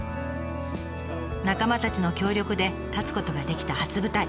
仲間たちの協力で立つことができた初舞台。